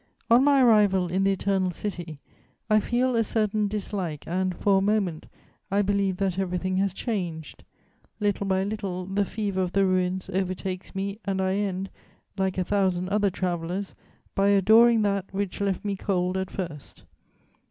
On my arrival in the Eternal City, I feel a certain dislike and, for a moment, I believe that everything has changed; little by little, the fever of the ruins overtakes me and I end, like a thousand other travellers, by adoring that which left me cold at first.